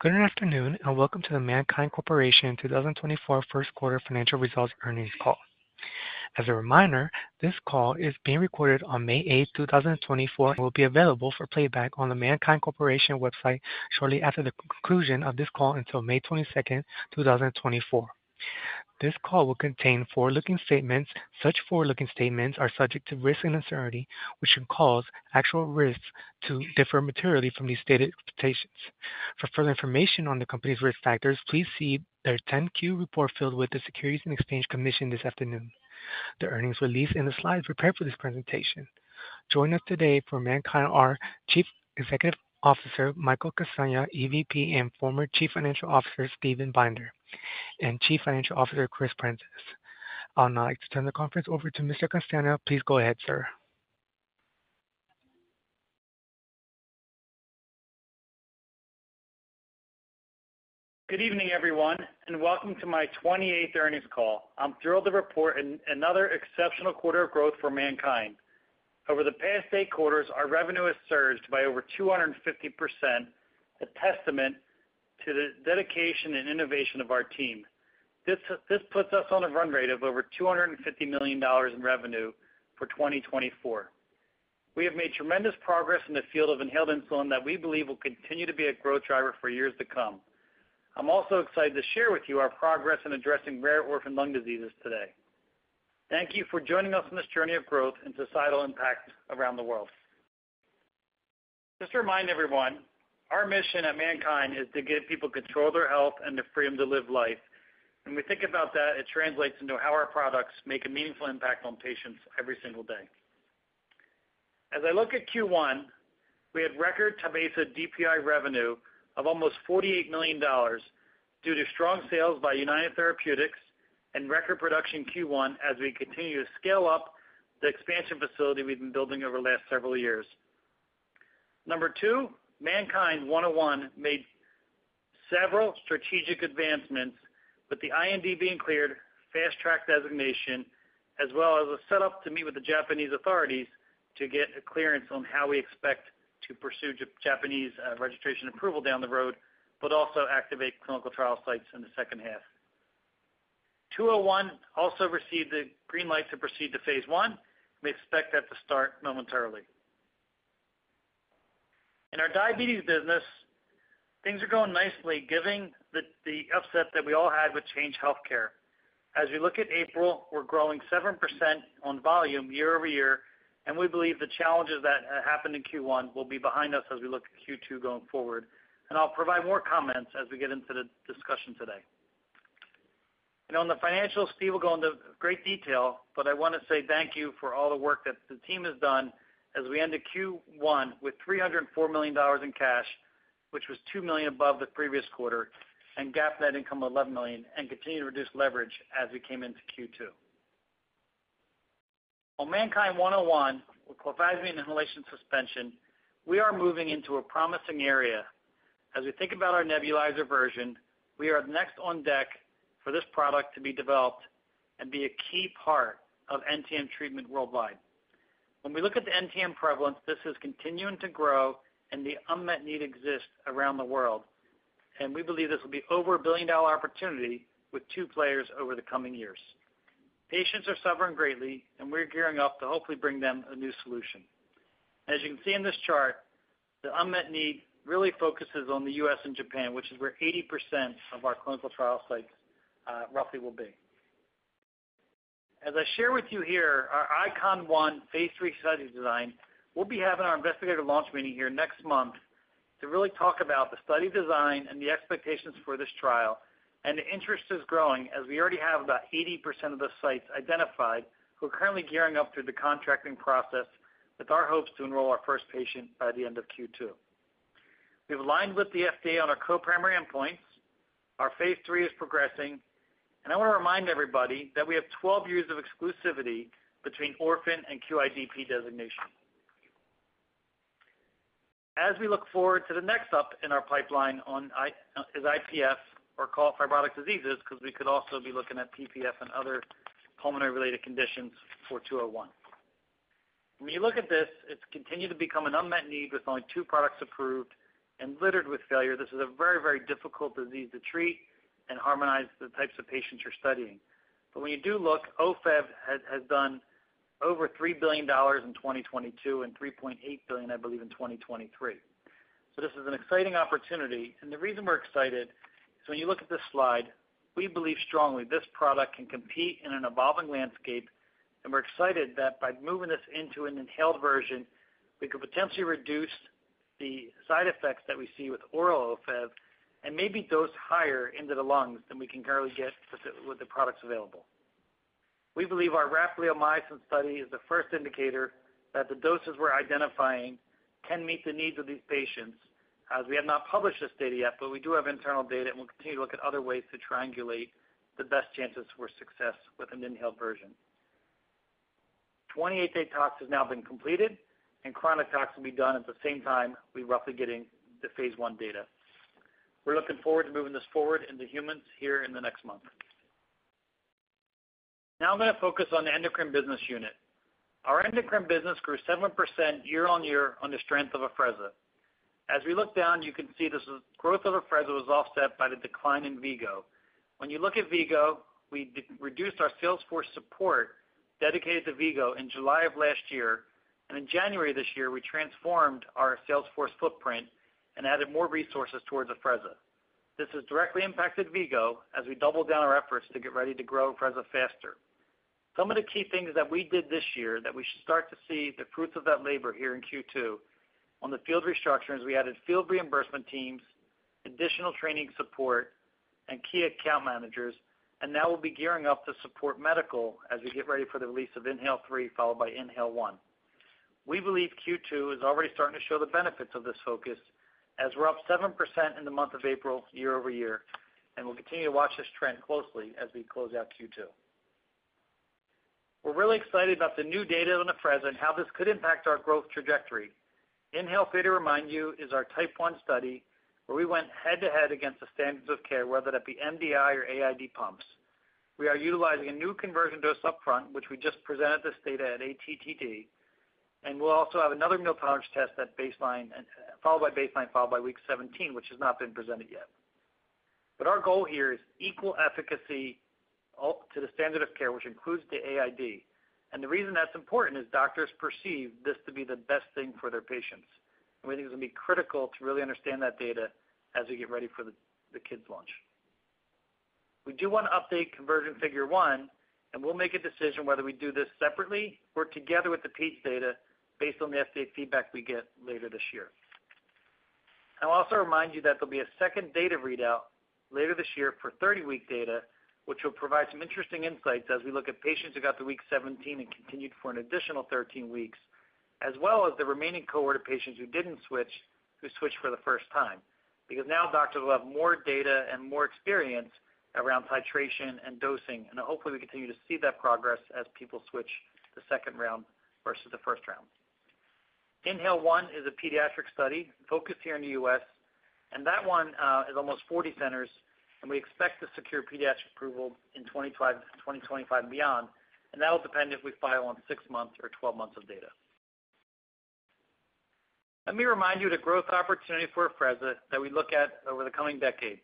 Good afternoon, and welcome to the MannKind Corporation 2024 first quarter financial results earnings call. As a reminder, this call is being recorded on May 8, 2024, and will be available for playback on the MannKind Corporation website shortly after the conclusion of this call until May 22nd, 2024. This call will contain forward-looking statements. Such forward-looking statements are subject to risk and uncertainty, which can cause actual risks to differ materially from these stated expectations. For further information on the company's risk factors, please see their 10-Q report filed with the Securities and Exchange Commission this afternoon, the earnings release, and the slides prepared for this presentation. Joining us today for MannKind are Chief Executive Officer, Michael Castagna, EVP and former Chief Financial Officer, Steven Binder, and Chief Financial Officer, Chris Prentiss. I would now like to turn the conference over to Mr. Castagna. Please go ahead, sir. Good evening, everyone, and welcome to my 28th earnings call. I'm thrilled to report another exceptional quarter of growth for MannKind. Over the past eight quarters, our revenue has surged by over 250%, a testament to the dedication and innovation of our team. This puts us on a run rate of over $250 million in revenue for 2024. We have made tremendous progress in the field of inhaled insulin that we believe will continue to be a growth driver for years to come. I'm also excited to share with you our progress in addressing rare orphan lung diseases today. Thank you for joining us on this journey of growth and societal impact around the world. Just to remind everyone, our mission at MannKind is to give people control of their health and the freedom to live life. When we think about that, it translates into how our products make a meaningful impact on patients every single day. As I look at Q1, we had record Tyvaso DPI revenue of almost $48 million due to strong sales by United Therapeutics and record production Q1 as we continue to scale up the expansion facility we've been building over the last several years. Number two, MannKind 101 made several strategic advancements, with the IND being cleared, Fast Track designation, as well as a setup to meet with the Japanese authorities to get a clearance on how we expect to pursue Japanese registration approval down the road, but also activate clinical trial sites in the second half. 201 also received the green light to proceed to phase I. We expect that to start momentarily. In our diabetes business, things are going nicely, given the upset that we all had with Change Healthcare. As we look at April, we're growing 7% on volume year-over-year, and we believe the challenges that happened in Q1 will be behind us as we look to Q2 going forward. I'll provide more comments as we get into the discussion today. On the financials, Steve will go into great detail, but I wanna say thank you for all the work that the team has done as we end the Q1 with $304 million in cash, which was $2 million above the previous quarter, and GAAP net income of $11 million, and continue to reduce leverage as we came into Q2. On MannKind 101, with Clofazimine Inhalation Suspension, we are moving into a promising area. As we think about our nebulizer version, we are next on deck for this product to be developed and be a key part of NTM treatment worldwide. When we look at the NTM prevalence, this is continuing to grow and the unmet need exists around the world, and we believe this will be over a billion-dollar opportunity with two players over the coming years. Patients are suffering greatly, and we're gearing up to hopefully bring them a new solution. As you can see in this chart, the unmet need really focuses on the U.S. and Japan, which is where 80% of our clinical trial sites, roughly will be. As I share with you here our ICoN-1 phase III study design, we'll be having our investigator launch meeting here next month to really talk about the study design and the expectations for this trial. The interest is growing, as we already have about 80% of the sites identified, who are currently gearing up through the contracting process with our hopes to enroll our first patient by the end of Q2. We've aligned with the FDA on our co-primary endpoints. Our phase III is progressing, and I want to remind everybody that we have 12 years of exclusivity between orphan and QIDP designation. As we look forward to the next step in our pipeline on IPF, or call fibrotic diseases, because we could also be looking at PPF and other pulmonary-related conditions for 201. When you look at this, it's continued to become an unmet need with only two products approved and littered with failure. This is a very, very difficult disease to treat and harmonize the types of patients you're studying. But when you do look, Ofev has done over $3 billion in 2022 and $3.8 billion, I believe, in 2023. So this is an exciting opportunity, and the reason we're excited is when you look at this slide, we believe strongly this product can compete in an evolving landscape, and we're excited that by moving this into an inhaled version, we could potentially reduce the side effects that we see with oral Ofev and maybe dose higher into the lungs than we can currently get with the products available. We believe our rapamycin study is the first indicator that the doses we're identifying can meet the needs of these patients, as we have not published this data yet, but we do have internal data, and we'll continue to look at other ways to triangulate the best chances for success with an inhaled version. 28-day tox has now been completed, and chronic tox will be done at the same time we're roughly getting the phase I data. We're looking forward to moving this forward into humans here in the next month. Now I'm going to focus on the endocrine business unit. Our endocrine business grew 7% year-over-year on the strength of Afrezza. As we look down, you can see this growth of Afrezza was offset by the decline in V-Go. When you look at V-Go, we reduced our sales force support dedicated to V-Go in July of last year, and in January this year, we transformed our sales force footprint and added more resources towards Afrezza. This has directly impacted V-Go as we double down our efforts to get ready to grow Afrezza faster. Some of the key things that we did this year that we should start to see the fruits of that labor here in Q2. On the field restructures, we added field reimbursement teams, additional training support, and key account managers, and now we'll be gearing up to support medical as we get ready for the release of INHALE-3, followed by INHALE-1. We believe Q2 is already starting to show the benefits of this focus, as we're up 7% in the month of April year-over-year, and we'll continue to watch this trend closely as we close out Q2. We're really excited about the new data on Afrezza and how this could impact our growth trajectory. INHALE-3, to remind you, is our Type 1 study, where we went head-to-head against the standards of care, whether that be MDI or AID pumps. We are utilizing a new conversion dose upfront, which we just presented this data at ATTD, and we'll also have another meal tolerance test at baseline, followed by baseline, followed by week 17, which has not been presented yet. But our goal here is equal efficacy to the standard of care, which includes the AID. The reason that's important is doctors perceive this to be the best thing for their patients. We think it's going to be critical to really understand that data as we get ready for the kids' launch. We do want to update conversion figure one, and we'll make a decision whether we do this separately or together with the Peds data, based on the FDA feedback we get later this year. I'll also remind you that there'll be a second data readout later this year for 30-week data, which will provide some interesting insights as we look at patients who got to week 17 and continued for an additional 13 weeks, as well as the remaining cohort of patients who didn't switch, who switched for the first time. Because now doctors will have more data and more experience around titration and dosing, and hopefully, we continue to see that progress as people switch the second round versus the first round. INHALE-1 is a pediatric study focused here in the U.S., and that one is almost 40 centers, and we expect to secure pediatric approval in 2025 and beyond, and that will depend if we file on six months or 12 months of data. Let me remind you the growth opportunity for Afrezza that we look at over the coming decade.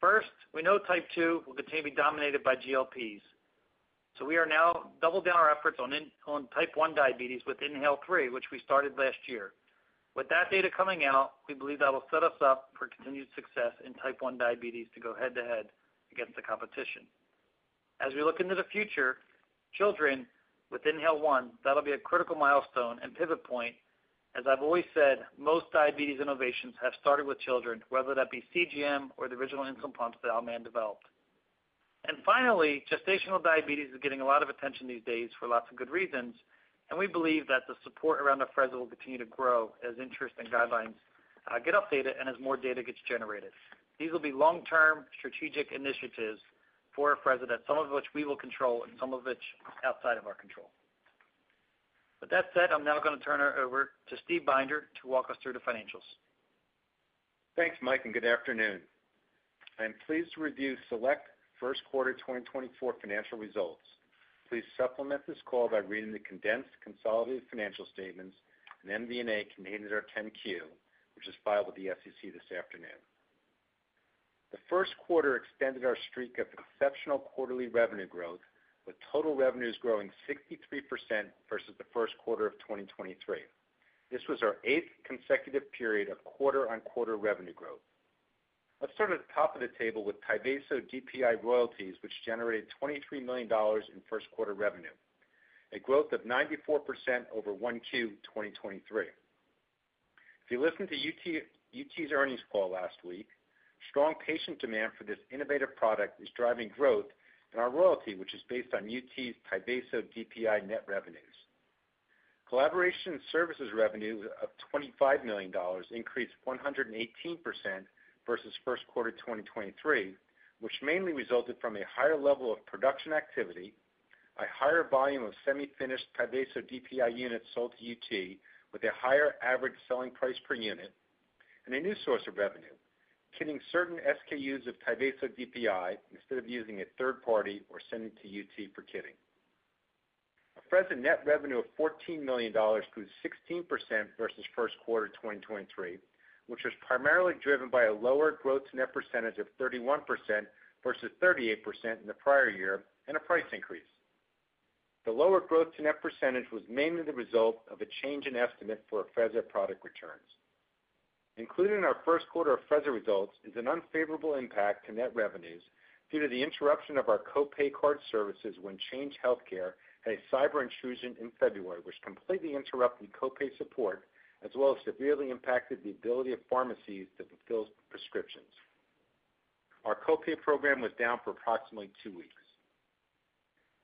First, we know Type 2 will continue to be dominated by GLPs. So we are now double down our efforts on on type 1 diabetes with INHALE-3, which we started last year. With that data coming out, we believe that will set us up for continued success in type 1 diabetes to go head-to-head against the competition. As we look into the future, children with INHALE-1, that'll be a critical milestone and pivot point. As I've always said, most diabetes innovations have started with children, whether that be CGM or the original insulin pumps that Al Mann developed. And finally, gestational diabetes is getting a lot of attention these days for lots of good reasons, and we believe that the support around Afrezza will continue to grow as interest and guidelines get updated and as more data gets generated. These will be long-term strategic initiatives for Afrezza, some of which we will control and some of which outside of our control. With that said, I'm now going to turn it over to Steve Binder to walk us through the financials. Thanks, Mike, and good afternoon. I am pleased to review select first quarter 2024 financial results. Please supplement this call by reading the condensed consolidated financial statements and MD&A contained in our 10-Q, which is filed with the SEC this afternoon. The first quarter extended our streak of exceptional quarterly revenue growth, with total revenues growing 63% versus the first quarter of 2023. This was our eighth consecutive period of quarter-on-quarter revenue growth. Let's start at the top of the table with Tyvaso DPI royalties, which generated $23 million in first quarter revenue, a growth of 94% over 1Q 2023. If you listened to UT- UT's earnings call last week, strong patient demand for this innovative product is driving growth in our royalty, which is based on UT's Tyvaso DPI net revenues. Collaboration services revenues of $25 million increased 118% versus first quarter 2023, which mainly resulted from a higher level of production activity, a higher volume of semi-finished Tyvaso DPI units sold to UT, with a higher average selling price per unit, and a new source of revenue, kitting certain SKUs of Tyvaso DPI instead of using a third party or sending to UT for kitting. Afrezza net revenue of $14 million grew 16% versus first quarter 2023, which was primarily driven by a lower gross-to-net percentage of 31% versus 38% in the prior year, and a price increase. The lower gross-to-net percentage was mainly the result of a change in estimate for Afrezza product returns. Included in our first quarter Afrezza results is an unfavorable impact to net revenues due to the interruption of our co-pay card services when Change Healthcare had a cyber intrusion in February, which completely interrupted co-pay support, as well as severely impacted the ability of pharmacies to fulfill prescriptions. Our co-pay program was down for approximately two weeks.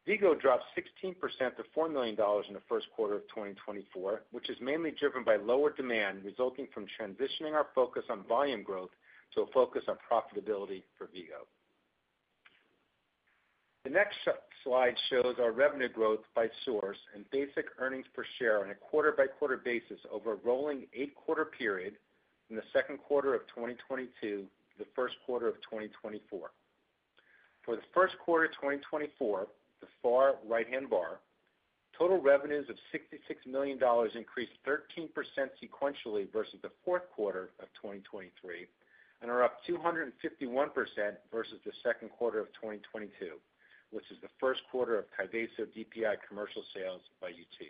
V-Go dropped 16% to $4 million in the first quarter of 2024, which is mainly driven by lower demand resulting from transitioning our focus on volume growth to a focus on profitability for V-Go. The next slide shows our revenue growth by source and basic earnings per share on a quarter-by-quarter basis over a rolling 8-quarter period in the second quarter of 2022 to the first quarter of 2024. For the first quarter of 2024, the far right-hand bar, total revenues of $66 million increased 13% sequentially versus the fourth quarter of 2023, and are up 251% versus the second quarter of 2022, which is the first quarter of Tyvaso DPI commercial sales by UT.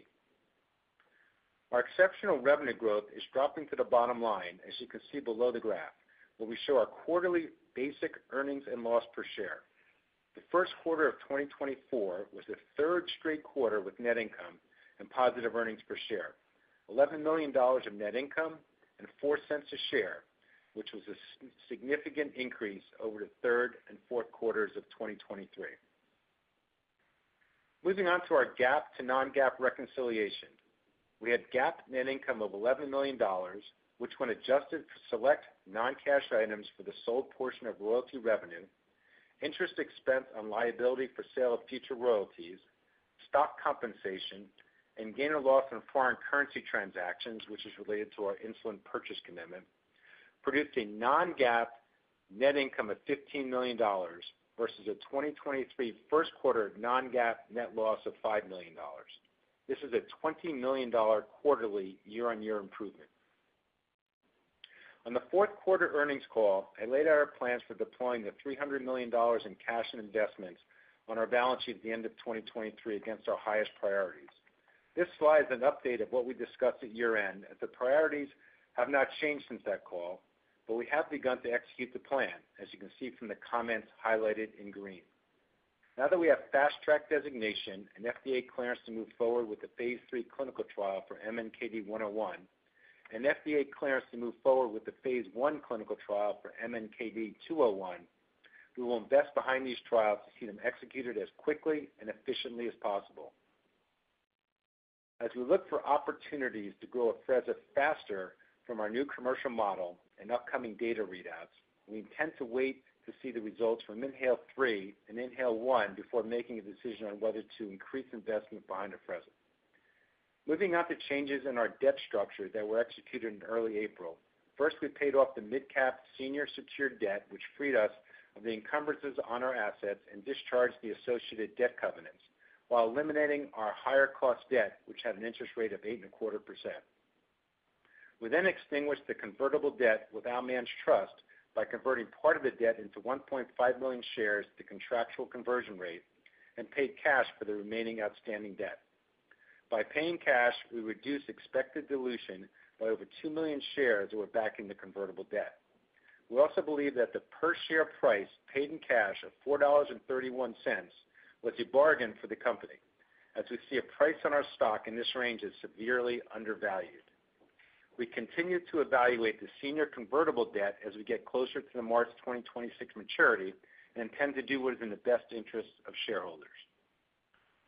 Our exceptional revenue growth is dropping to the bottom line, as you can see below the graph, where we show our quarterly basic earnings and loss per share. The first quarter of 2024 was the third straight quarter with net income and positive earnings per share. $11 million of net income and $0.04 a share, which was a significant increase over the third and fourth quarters of 2023. Moving on to our GAAP to non-GAAP reconciliation. We had GAAP net income of $11 million, which, when adjusted for select non-cash items for the sold portion of royalty revenue, interest expense on liability for sale of future royalties, stock compensation, and gain or loss from foreign currency transactions, which is related to our insulin purchase commitment, produced a non-GAAP net income of $15 million versus a 2023 first quarter non-GAAP net loss of $5 million. This is a $20 million quarterly year-on-year improvement. On the fourth quarter earnings call, I laid out our plans for deploying the $300 million in cash and investments on our balance sheet at the end of 2023 against our highest priorities. This slide is an update of what we discussed at year-end, as the priorities have not changed since that call, but we have begun to execute the plan, as you can see from the comments highlighted in green. Now that we have Fast Track designation and FDA clearance to move forward with the phase III clinical trial for MNKD-101, and FDA clearance to move forward with the phase I clinical trial for MNKD-201, we will invest behind these trials to see them executed as quickly and efficiently as possible. As we look for opportunities to grow Afrezza faster from our new commercial model and upcoming data readouts, we intend to wait to see the results from INHALE-3 and INHALE-1 before making a decision on whether to increase investment behind Afrezza. Moving on to changes in our debt structure that were executed in early April. First, we paid off the MidCap senior secured debt, which freed us of the encumbrances on our assets and discharged the associated debt covenants while eliminating our higher-cost debt, which had an interest rate of 8.25%. We then extinguished the convertible debt with Al Mann's trust by converting part of the debt into 1.5 million shares, the contractual conversion rate, and paid cash for the remaining outstanding debt. By paying cash, we reduced expected dilution by over 2 million shares that were backing the convertible debt. We also believe that the per share price paid in cash of $4.31 was a bargain for the company, as we see a price on our stock in this range as severely undervalued. We continue to evaluate the senior convertible debt as we get closer to the March 2026 maturity and intend to do what is in the best interest of shareholders.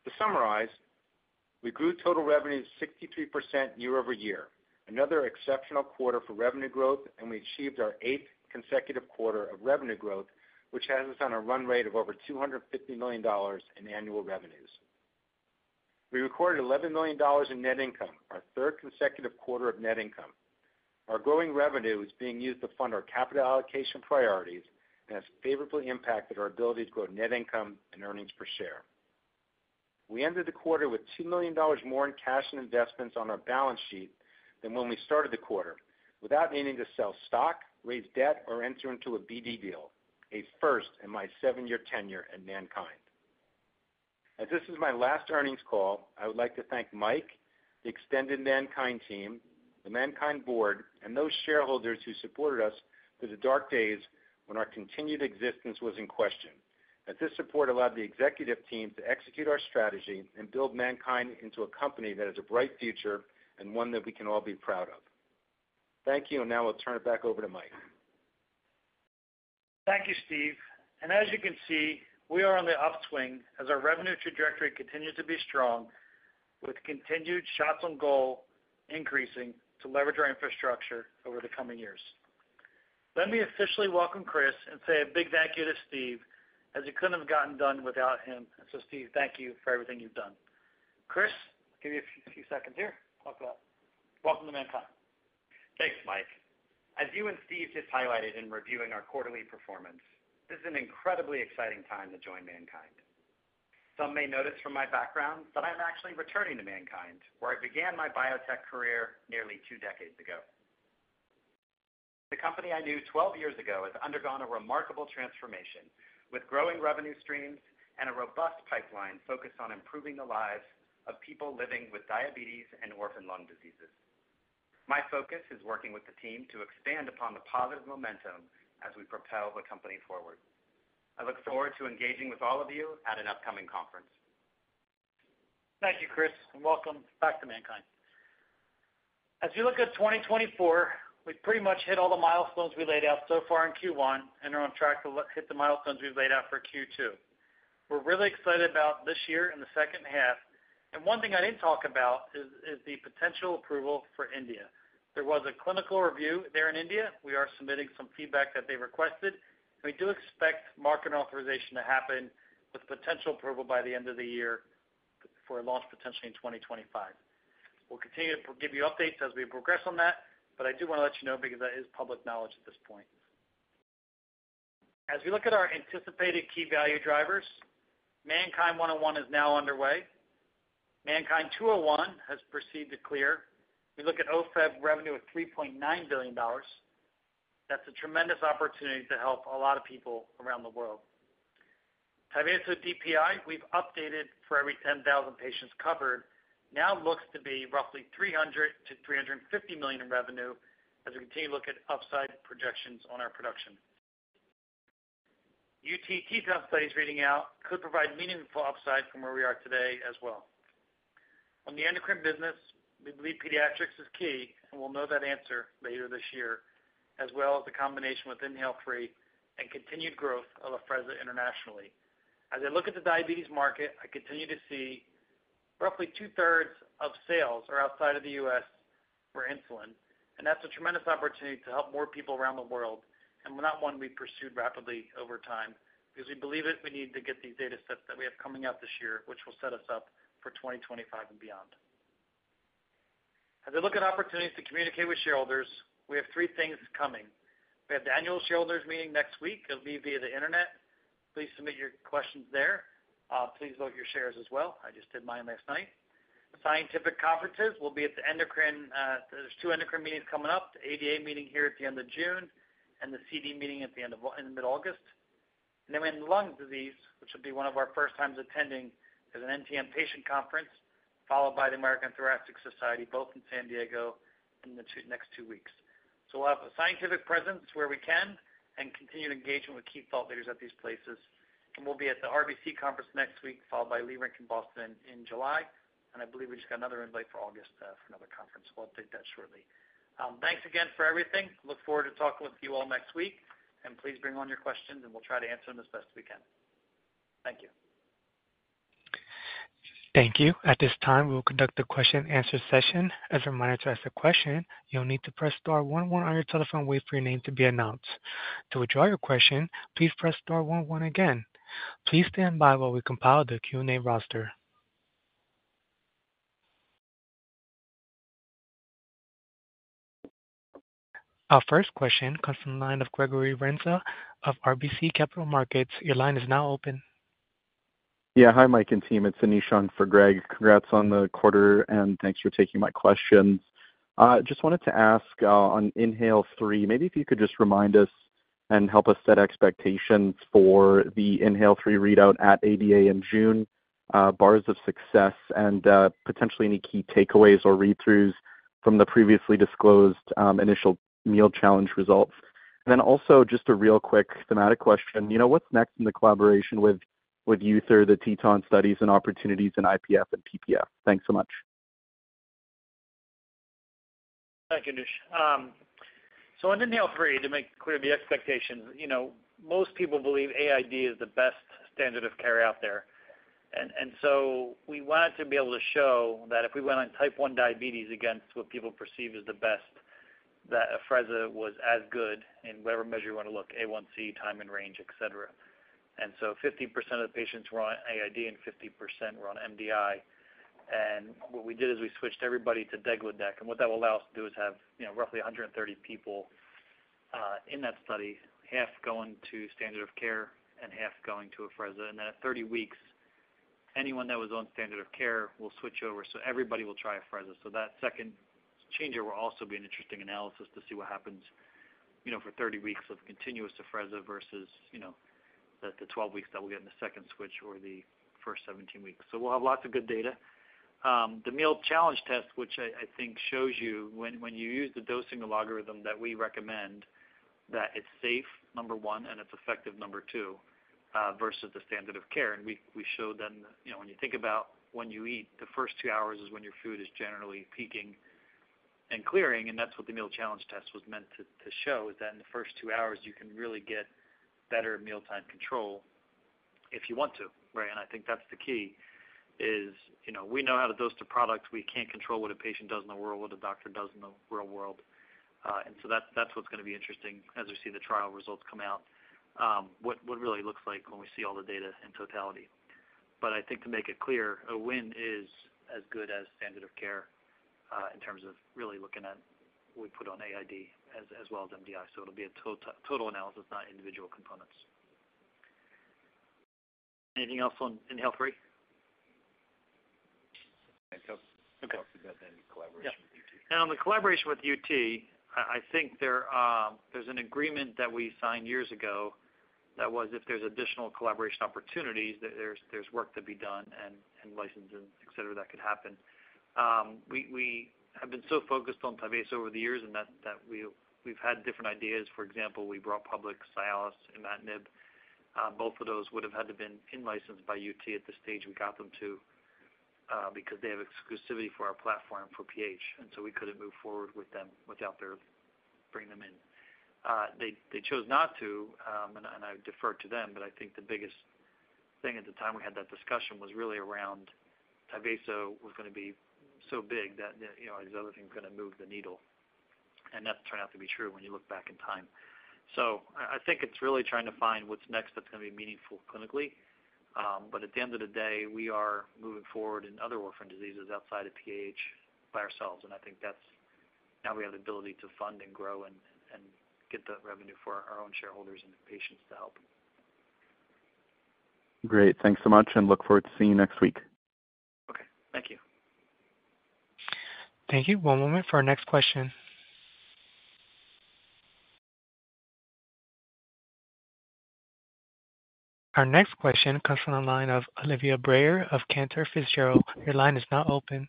To summarize, we grew total revenue 63% year-over-year, another exceptional quarter for revenue growth, and we achieved our eighth consecutive quarter of revenue growth, which has us on a run rate of over $250 million in annual revenues. We recorded $11 million in net income, our third consecutive quarter of net income. Our growing revenue is being used to fund our capital allocation priorities and has favorably impacted our ability to grow net income and earnings per share. We ended the quarter with $2 million more in cash and investments on our balance sheet than when we started the quarter, without needing to sell stock, raise debt, or enter into a BD deal, a first in my seven-year tenure at MannKind. As this is my last earnings call, I would like to thank Mike, the extended MannKind team, the MannKind board, and those shareholders who supported us through the dark days when our continued existence was in question, as this support allowed the executive team to execute our strategy and build MannKind into a company that has a bright future and one that we can all be proud of. Thank you, and now I'll turn it back over to Mike. Thank you, Steve. As you can see, we are on the upswing as our revenue trajectory continues to be strong, with continued shots on goal increasing to leverage our infrastructure over the coming years. Let me officially welcome Chris and say a big thank you to Steve, as it couldn't have gotten done without him. So Steve, thank you for everything you've done. Chris, give you a few seconds here. Welcome to MannKind. Thanks, Mike. As you and Steve just highlighted in reviewing our quarterly performance, this is an incredibly exciting time to join MannKind. Some may notice from my background that I'm actually returning to MannKind, where I began my biotech career nearly two decades ago. The company I knew 12 years ago has undergone a remarkable transformation, with growing revenue streams and a robust pipeline focused on improving the lives of people living with diabetes and orphan lung diseases. My focus is working with the team to expand upon the positive momentum as we propel the company forward. I look forward to engaging with all of you at an upcoming conference. Thank you, Chris, and welcome back to MannKind. As you look at 2024, we've pretty much hit all the milestones we laid out so far in Q1 and are on track to hit the milestones we've laid out for Q2. We're really excited about this year in the second half, and one thing I didn't talk about is the potential approval for India. There was a clinical review there in India. We are submitting some feedback that they requested. We do expect market authorization to happen with potential approval by the end of the year for a launch potentially in 2025. We'll continue to give you updates as we progress on that, but I do want to let you know because that is public knowledge at this point. As we look at our anticipated key value drivers, MNKD-101 is now underway. MNKD-201 has proceeded to PPQ. We look at Ofev revenue of $3.9 billion. That's a tremendous opportunity to help a lot of people around the world. Tyvaso DPI, we've updated for every 10,000 patients covered, now looks to be roughly $300 million-$350 million in revenue as we continue to look at upside projections on our production. UT TETON study is reading out, could provide meaningful upside from where we are today as well. On the endocrine business, we believe pediatrics is key, and we'll know that answer later this year, as well as the combination with INHALE-3 and continued growth of Afrezza internationally. As I look at the diabetes market, I continue to see roughly two-thirds of sales are outside of the U.S. for insulin, and that's a tremendous opportunity to help more people around the world, and not one we pursued rapidly over time, because we believe that we need to get these data sets that we have coming out this year, which will set us up for 2025 and beyond. As I look at opportunities to communicate with shareholders, we have three things coming. We have the annual shareholders meeting next week. It'll be via the Internet. Please submit your questions there. Please vote your shares as well. I just did mine last night. The scientific conferences will be at the endocrine, there's two endocrine meetings coming up, the ADA meeting here at the end of June and the ADCES meeting at the end of, in mid-August. Then in lung disease, which will be one of our first times attending, there's an NTM patient conference, followed by the American Thoracic Society, both in San Diego in the next two weeks. So we'll have a scientific presence where we can and continue to engagement with key thought leaders at these places. We'll be at the RBC conference next week, followed by Leerink in Boston in July. I believe we just got another invite for August for another conference. We'll update that shortly. Thanks again for everything. Look forward to talking with you all next week, and please bring on your questions, and we'll try to answer them as best we can. Thank you. Thank you. At this time, we will conduct a question-and-answer session. As a reminder, to ask a question, you'll need to press star one-one on your telephone. Wait for your name to be announced. To withdraw your question, please press star one-one again. Please stand by while we compile the Q&A roster. Our first question comes from the line of Gregory Renza of RBC Capital Markets. Your line is now open. Yeah. Hi, Mike and team. It's Anish on for Greg. Congrats on the quarter, and thanks for taking my questions. Just wanted to ask, on INHALE-3, maybe if you could just remind us and help us set expectations for the INHALE-3 readout at ADA in June, bars of success and, potentially any key takeaways or read-throughs from the previously disclosed, initial meal challenge results. And then also just a real quick thematic question, you know, what's next in the collaboration with, with UT, the TETON studies and opportunities in IPF and PPF? Thanks so much. Thank you, Anish. So on INHALE-3, to make clear the expectations, you know, most people believe AID is the best standard of care out there. And so we wanted to be able to show that if we went on type 1 diabetes against what people perceive as the best, that Afrezza was as good in whatever measure you want to look, A1C, time and range, et cetera. And so 50% of the patients were on AID and 50% were on MDI. And what we did is we switched everybody to degludec, and what that will allow us to do is have, you know, roughly 130 people in that study, half going to standard of care and half going to Afrezza. And then at 30 weeks, anyone that was on standard of care will switch over, so everybody will try Afrezza. So that second changer will also be an interesting analysis to see what happens, you know, for 30 weeks of continuous Afrezza versus, you know, the 12 weeks that we'll get in the second switch or the first 17 weeks. So we'll have lots of good data. The meal challenge test, which I think shows you when you use the dosing algorithm that we recommend, that it's safe, number one, and it's effective, number two, versus the standard of care. And we show then, you know, when you think about when you eat, the first two hours is when your food is generally peaking and clearing, and that's what the meal challenge test was meant to show, is that in the first two hours, you can really get better mealtime control if you want to, right? And I think that's the key is, you know, we know how to dose the product. We can't control what a patient does in the world, what a doctor does in the real world. And so that's, that's what's going to be interesting as we see the trial results come out, what, what it really looks like when we see all the data in totality. But I think to make it clear, a win is as good as standard of care, in terms of really looking at what we put on AID as, as well as MDI. So it'll be a total analysis, not individual components. Anything else on INHALE-3? I think so. Okay. Talk about the collaboration with UT. And on the collaboration with UT, I think there's an agreement that we signed years ago that was if there's additional collaboration opportunities, that there's work to be done and license and et cetera, that could happen. We have been so focused on Tyvaso over the years and that we've had different ideas. For example, we brought public sildenafil and imatinib. Both of those would have had to been in licensed by UT at the stage we got them to, because they have exclusivity for our platform for PH, and so we couldn't move forward with them without their bringing them in. They chose not to, and I defer to them, but I think the biggest thing at the time we had that discussion was really around Tyvaso was going to be so big that, you know, these other things are going to move the needle... and that's turned out to be true when you look back in time. So I think it's really trying to find what's next that's gonna be meaningful clinically. But at the end of the day, we are moving forward in other orphan diseases outside of PAH by ourselves, and I think that's, now we have the ability to fund and grow and get the revenue for our own shareholders and the patients to help. Great. Thanks so much, and look forward to seeing you next week. Okay, thank you. Thank you. One moment for our next question. Our next question comes from the line of Olivia Brayer of Cantor Fitzgerald. Your line is now open.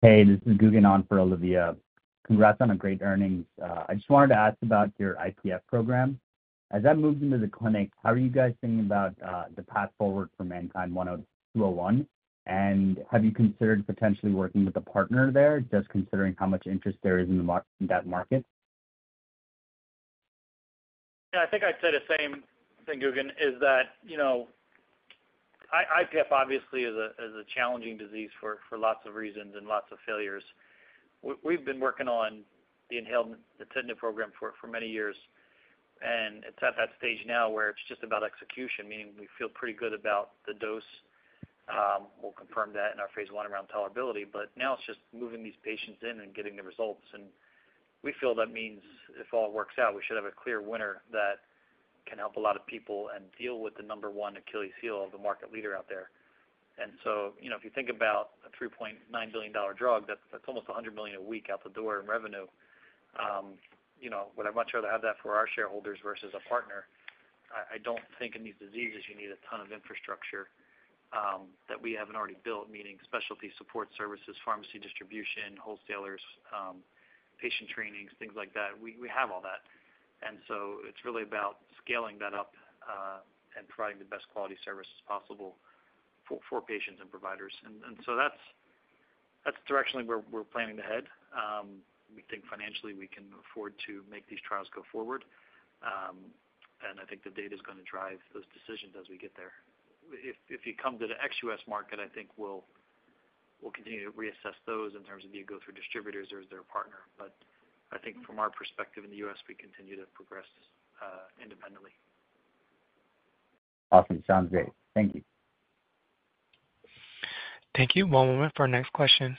Hey, this is Gugan on for Olivia. Congrats on a great earnings. I just wanted to ask about your IPF program. As that moves into the clinic, how are you guys thinking about the path forward for MNKD-201? And have you considered potentially working with a partner there, just considering how much interest there is in the market? Yeah, I think I'd say the same thing, Gugan, is that, you know, IPF obviously is a, is a challenging disease for, for lots of reasons and lots of failures. We've been working on the inhaled, the nintedanib program for, for many years, and it's at that stage now where it's just about execution, meaning we feel pretty good about the dose. We'll confirm that in our phase I around tolerability, but now it's just moving these patients in and getting the results. And we feel that means if all works out, we should have a clear winner that can help a lot of people and deal with the number one Achilles heel, the market leader out there. And so, you know, if you think about a $3.9 billion drug, that's, that's almost $100 million a week out the door in revenue. You know, would I much rather have that for our shareholders versus a partner? I, I don't think in these diseases, you need a ton of infrastructure that we haven't already built, meaning specialty support services, pharmacy distribution, wholesalers, patient trainings, things like that. We, we have all that. And so it's really about scaling that up and providing the best quality services possible for patients and providers. And, and so that's, that's the direction we're, we're planning to head. We think financially, we can afford to make these trials go forward. And I think the data is gonna drive those decisions as we get there. If, if you come to the ex-U.S. market, I think we'll, we'll continue to reassess those in terms of, do you go through distributors or is there a partner? But I think from our perspective in the U.S., we continue to progress independently. Awesome. Sounds great. Thank you. Thank you. One moment for our next question.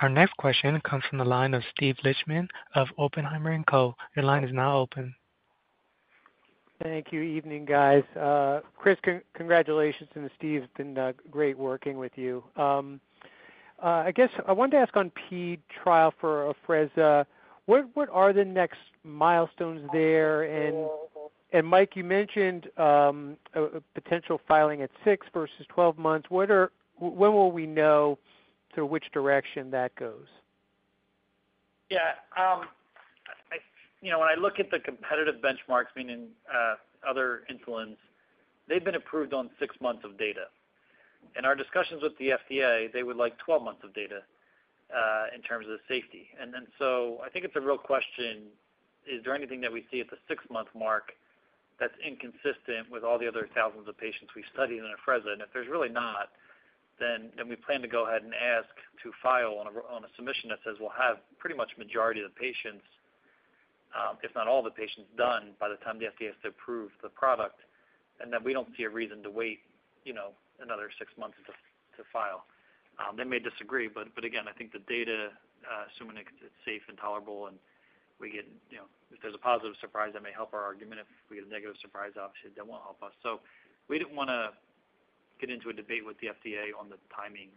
Our next question comes from the line of Steven Lichtman of Oppenheimer & Co. Your line is now open. Thank you. Evening, guys. Chris, congratulations, and Steve, it's been great working with you. I guess I wanted to ask on INHALE trial for Afrezza, what are the next milestones there? And Mike, you mentioned a potential filing at 6 versus 12 months. When will we know to which direction that goes? Yeah, you know, when I look at the competitive benchmarks, meaning, other insulins, they've been approved on six months of data. In our discussions with the FDA, they would like 12 months of data, in terms of safety. I think it's a real question: Is there anything that we see at the six-month mark that's inconsistent with all the other thousands of patients we've studied in Afrezza? And if there's really not, then we plan to go ahead and ask to file on a submission that says we'll have pretty much majority of the patients, if not all the patients, done by the time the FDA has to approve the product, and that we don't see a reason to wait, you know, another six months to file. They may disagree, but again, I think the data, assuming it, it's safe and tolerable and we get, you know, if there's a positive surprise, that may help our argument. If we get a negative surprise, obviously, that won't help us. So we didn't wanna get into a debate with the FDA on the timing,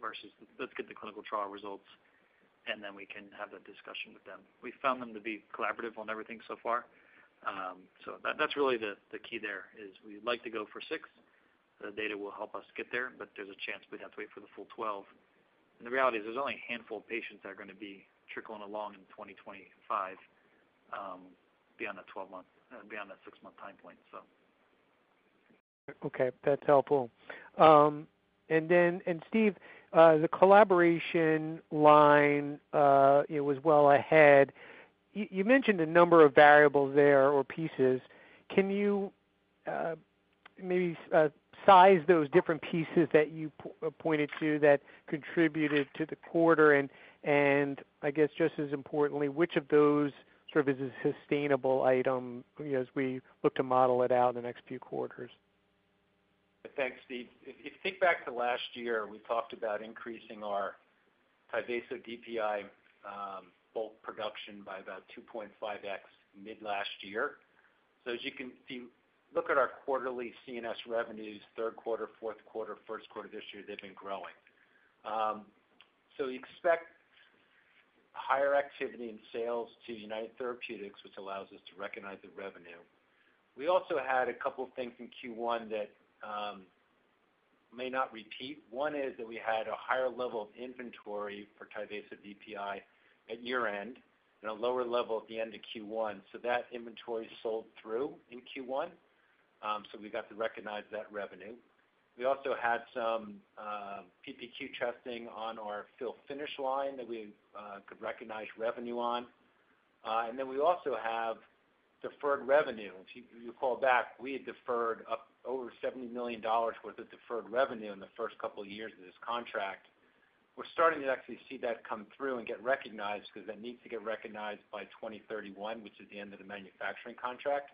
versus let's get the clinical trial results, and then we can have that discussion with them. We found them to be collaborative on everything so far. So that's really the key there, is we'd like to go for 6. The data will help us get there, but there's a chance we'd have to wait for the full 12. And the reality is there's only a handful of patients that are gonna be trickling along in 2025, beyond that 12-month, beyond that 6-month time point, so. Okay, that's helpful. And then, and Steve, the collaboration line, it was well ahead. You mentioned a number of variables there or pieces. Can you maybe size those different pieces that you pointed to that contributed to the quarter? And I guess just as importantly, which of those sort of is a sustainable item as we look to model it out in the next few quarters? Thanks, Steve. If you think back to last year, we talked about increasing our Tyvaso DPI bulk production by about 2.5x mid-last year. So as you can see, look at our quarterly CNS revenues, third quarter, fourth quarter, first quarter this year, they've been growing. So we expect higher activity in sales to United Therapeutics, which allows us to recognize the revenue. We also had a couple of things in Q1 that may not repeat. One is that we had a higher level of inventory for Tyvaso DPI at year-end and a lower level at the end of Q1, so that inventory sold through in Q1, so we got to recognize that revenue. We also had some PPQ testing on our fill-finish line that we could recognize revenue on. And then we also have deferred revenue. If you call back, we had deferred up over $70 million worth of deferred revenue in the first couple of years of this contract. We're starting to actually see that come through and get recognized, because that needs to get recognized by 2031, which is the end of the manufacturing contract.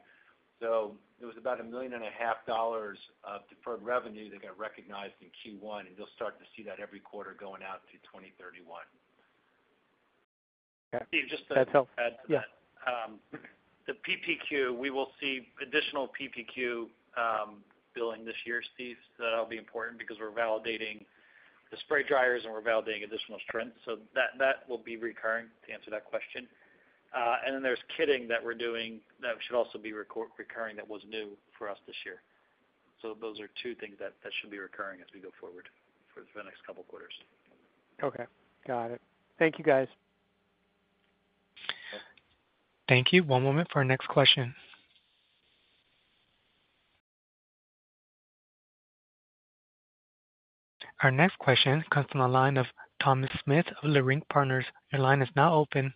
So it was about $1.5 million of deferred revenue that got recognized in Q1, and you'll start to see that every quarter going out to 2031. Steve, just to add to that. Yeah. The PPQ, we will see additional PPQ billing this year, Steve. So that'll be important because we're validating the spray dryers and we're validating additional strengths. So that will be recurring, to answer that question. And then there's kitting that we're doing that should also be recurring, that was new for us this year. So those are two things that should be recurring as we go forward for the next couple of quarters. Okay. Got it. Thank you, guys. Thank you. One moment for our next question. Our next question comes from the line of Thomas Smith of Leerink Partners. Your line is now open.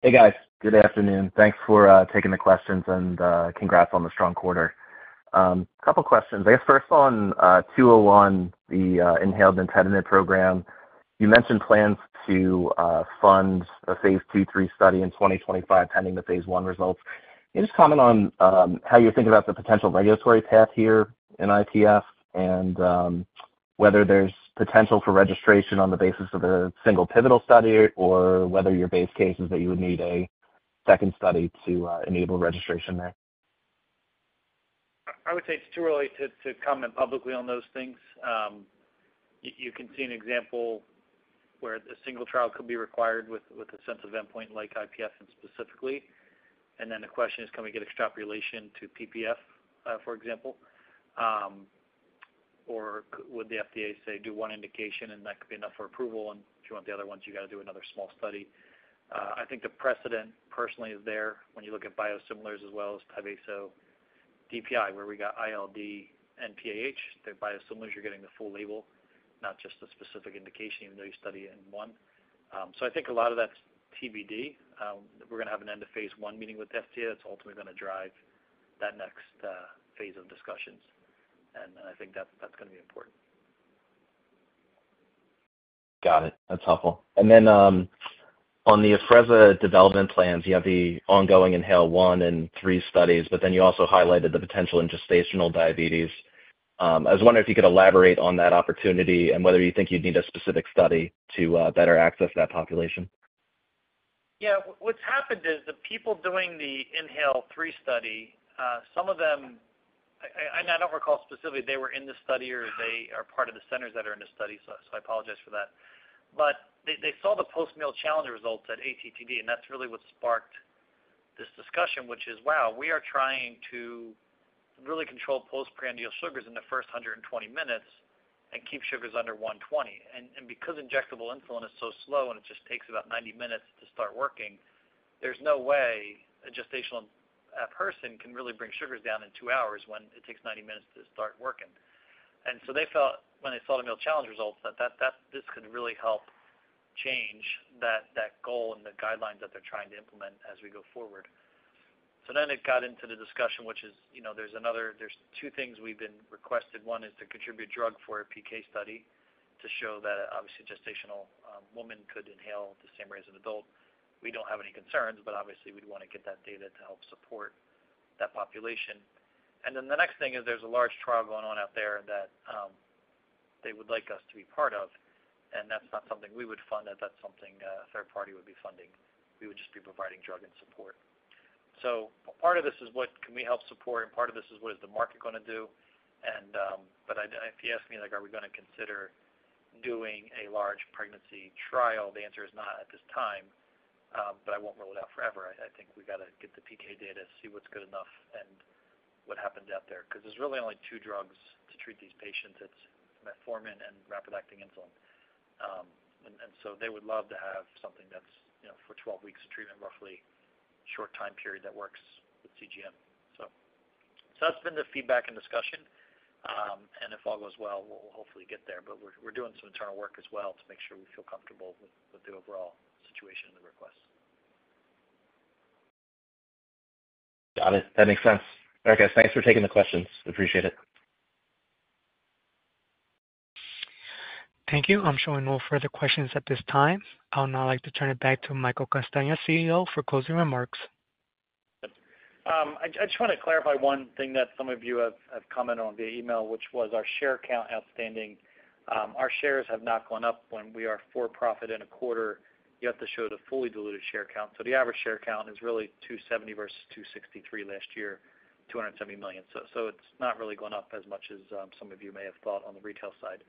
Hey, guys. Good afternoon. Thanks for taking the questions, and congrats on the strong quarter. A couple of questions. I guess first on 201, the inhaled nintedanib program. You mentioned plans to fund a phase II, phase III study in 2025, pending the phase I results. Can you just comment on how you think about the potential regulatory path here in IPF, and whether there's potential for registration on the basis of a single pivotal study, or whether your base case is that you would need a second study to enable registration there? I would say it's too early to comment publicly on those things. You can see an example where a single trial could be required with a sense of endpoint like IPF and specifically. And then the question is, can we get extrapolation to PPF, for example? Or would the FDA say, do one indication, and that could be enough for approval, and if you want the other ones, you got to do another small study. I think the precedent, personally, is there when you look at biosimilars as well as Tyvaso DPI, where we got ILD and PAH. The biosimilars, you're getting the full label, not just the specific indication, even though you study in one. So I think a lot of that's TBD. We're going to have an end-of-phase I meeting with the FDA. That's ultimately going to drive that next phase of discussions, and I think that's going to be important. Got it. That's helpful. And then, on the Afrezza development plans, you have the ongoing INHALE-1 and INHALE-3 studies, but then you also highlighted the potential in gestational diabetes. I was wondering if you could elaborate on that opportunity and whether you think you'd need a specific study to, better access that population. Yeah. What's happened is the people doing the INHALE-3 study, some of them, I don't recall specifically if they were in the study or if they are part of the centers that are in the study, so I apologize for that. But they saw the post-meal challenge results at ATTD, and that's really what sparked this discussion, which is, wow, we are trying to really control postprandial sugars in the first 120 minutes and keep sugars under 120. And because injectable insulin is so slow and it just takes about 90 minutes to start working, there's no way a gestational person can really bring sugars down in two hours when it takes 90 minutes to start working. They felt when they saw the meal challenge results that this could really help change that goal and the guidelines that they're trying to implement as we go forward. It got into the discussion, which is, you know, there are two things we've been requested. One is to contribute drug for a PK study to show that obviously, a gestational woman could inhale the same way as an adult. We don't have any concerns, but obviously, we'd want to get that data to help support that population. And then the next thing is there's a large trial going on out there that they would like us to be part of, and that's not something we would fund, that's something a third party would be funding. We would just be providing drug and support. So part of this is what can we help support, and part of this is what is the market going to do. But if you ask me, like, are we going to consider doing a large pregnancy trial? The answer is not at this time, but I won't rule it out forever. I think we got to get the PK data to see what's good enough and what happens out there, because there's really only two drugs to treat these patients. It's metformin and rapid-acting insulin. And so they would love to have something that's, you know, for 12 weeks of treatment, roughly, short time period that works with CGM. So that's been the feedback and discussion, and if all goes well, we'll hopefully get there. But we're doing some internal work as well to make sure we feel comfortable with the overall situation and the request. Got it. That makes sense. All right, guys. Thanks for taking the questions. Appreciate it. Thank you. I'm showing no further questions at this time. I would now like to turn it back to Michael Castagna, CEO, for closing remarks. I just want to clarify one thing that some of you have commented on via email, which was our share count outstanding. Our shares have not gone up. When we are for profit in a quarter, you have to show the fully diluted share count. So the average share count is really 270 versus 263 last year, 270 million. So it's not really gone up as much as some of you may have thought on the retail side.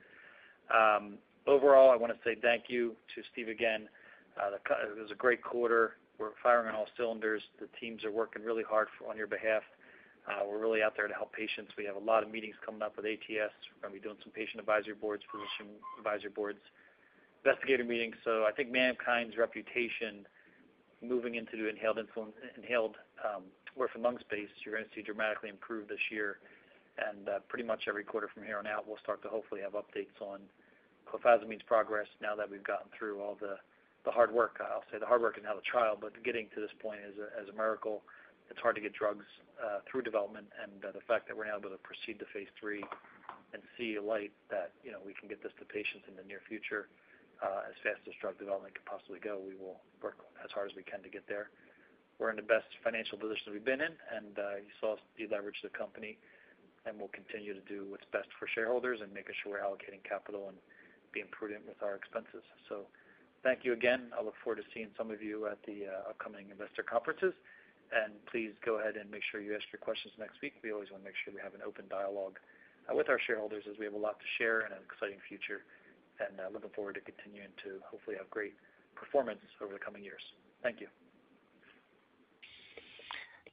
Overall, I want to say thank you to Steve again. It was a great quarter. We're firing on all cylinders. The teams are working really hard for, on your behalf. We're really out there to help patients. We have a lot of meetings coming up with ATS. We're going to be doing some patient advisory boards, physician advisory boards, investigator meetings. So I think MannKind's reputation moving into the inhaled insulin, inhaled orphan and lung space, you're going to see dramatically improve this year. And pretty much every quarter from here on out, we'll start to hopefully have updates on Clofazimine's progress now that we've gotten through all the hard work. I'll say the hard work and now the trial but getting to this point is a miracle. It's hard to get drugs through development, and the fact that we're now able to proceed to phase III and see a light that, you know, we can get this to patients in the near future, as fast as drug development could possibly go, we will work as hard as we can to get there. We're in the best financial position we've been in, and you saw us deleverage the company, and we'll continue to do what's best for shareholders and making sure we're allocating capital and being prudent with our expenses. So thank you again. I look forward to seeing some of you at the upcoming investor conferences. And please go ahead and make sure you ask your questions next week. We always want to make sure we have an open dialogue with our shareholders, as we have a lot to share and an exciting future, and looking forward to continuing to hopefully have great performance over the coming years. Thank you.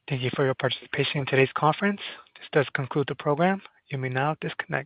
Thank you for your participation in today's conference. This does conclude the program. You may now disconnect.